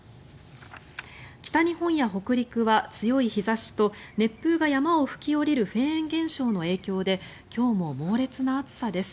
北日本や北陸は強い日差しと熱風が山を吹き下りるフェーン現象の影響で今日も猛烈な暑さです。